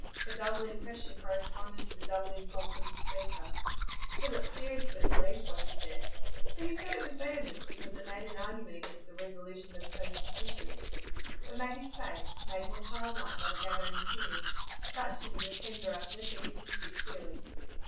Her double impression corresponded to the double impulse of the speaker. Philip seriously believed what he said, but he said it with vehemence because it made an argument against the resolution that opposed his wishes. But Maggie's face, made more childlike by the gathering tears, touched him with a tenderer, less egotistic feeling.